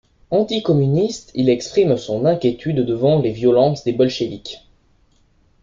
Anti-communiste, il exprime son inquiétude devant les violences des bolcheviks.